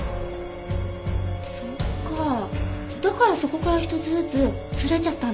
そっかだからそこから一つずつずれちゃったんだ。